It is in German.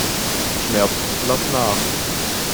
Schmerz, lass nach!